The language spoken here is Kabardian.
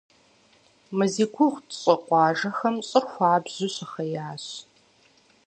Мы зи гугъу тщӀы къуажэхэм щӀыр хуабжьу щыхъеящ.